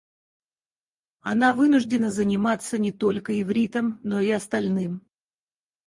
Она вынуждена заниматься не только ивритом, но и остальным.